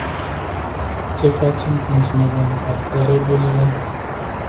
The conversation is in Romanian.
Ce facem când cineva încalcă regulile?